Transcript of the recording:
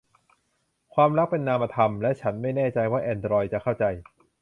ความรักเป็นนามธรรม และฉันไม่แน่ใจว่าแอนดรอยด์จะเข้าใจ